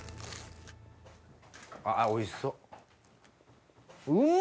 あぁおいしそう。